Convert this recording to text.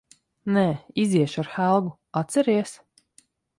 Nē. Iziešu ar Helgu, atceries?